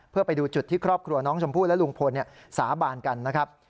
เพื่อไปดูจุดที่ครอบครัวน้องชมพู่และลุงพลสาบานกันนะครับ